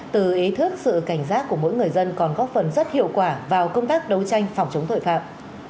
từ ý thức sự cảnh giác của mỗi người dân còn góp phần rất hiệu quả vào công tác đấu tranh phòng chống tội phạm